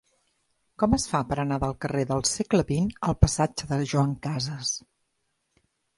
Com es fa per anar del carrer del Segle XX al passatge de Joan Casas?